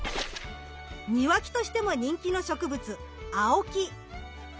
庭木としても人気の植物アオキ。